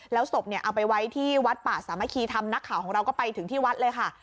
แล้วศพเนี่ยเอาไปไว้ที่วัดป่าสามัคคีธรรมนักข่าวของเราก็ไปถึงที่วัดเลยค่ะ